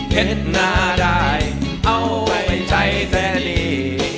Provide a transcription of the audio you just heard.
เห็ดหน้าได้เอาไว้ใช้แสลี